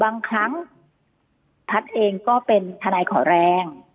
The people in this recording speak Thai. บางครั้งแพทย์เองก็เป็นทนายขอแรง